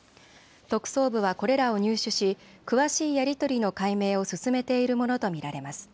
特捜部はこれらを入手し詳しいやり取りの解明を進めているものと見られます。